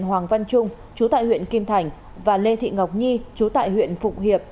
hoàng văn trung trú tại huyện kim thành và lê thị ngọc nhi trú tại huyện phục hiệp